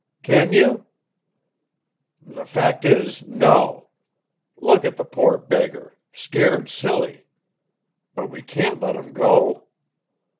"Can you?" "The fact is, no. Look at the poor beggar scared silly. But we can't let him go."